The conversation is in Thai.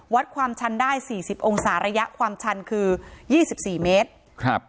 วัดความชันได้๔๐องศาระยะความชันคือ๒๔เมตร